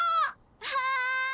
はい！